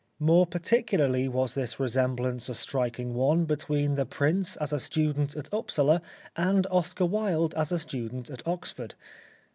More particularly was this resem blance a striking one between the prince as a student at Upsala and Oscar Wilde as a student at Oxford.